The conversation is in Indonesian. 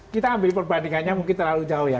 kita ambil perbandingannya mungkin terlalu jauh ya